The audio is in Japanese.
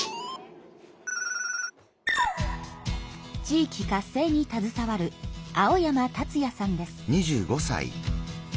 地域活性にたずさわる青山達哉さんです。